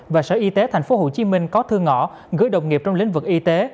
và sở y tế tp hcm có thư ngõ gửi đồng nghiệp trong lĩnh vực y tế